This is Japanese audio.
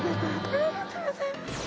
ありがとうございます。